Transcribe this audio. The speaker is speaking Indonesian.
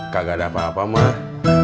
kagak ada apa apa mah